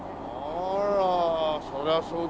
あらそりゃそうだろうな。